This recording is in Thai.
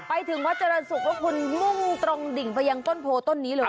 ไปถึงวัดเจริญศุกร์แล้วคุณมุ่งตรงดิ่งไปยังต้นโพต้นนี้เลย